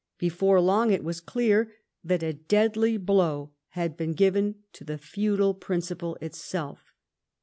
Be fore long it was clear that a deadly blow had beeu given to the feudal principle itself.